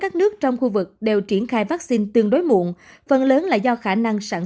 các nước trong khu vực đều triển khai vaccine tương đối muộn phần lớn là do khả năng sản